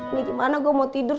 ini gimana gue mau tidur